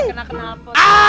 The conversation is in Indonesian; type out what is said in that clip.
abis saya kena kena apel